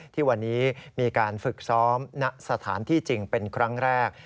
ที่วันนี้มีการฝึกซ้อมณสถานที่จริงเป็นครั้งแรก